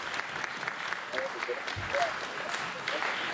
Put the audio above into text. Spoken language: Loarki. او رو دوست مليا ھارو آيو ھي